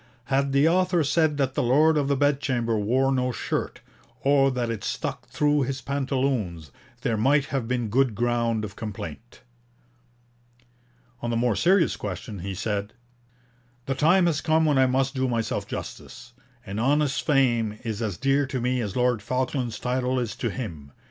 Had the author said that the Lord of the Bedchamber wore no shirt, or that it stuck through his pantaloons, there might have been good ground of complaint.' On the more serious question he said: 'The time has come when I must do myself justice. An honest fame is as dear to me as Lord Falkland's title is to him.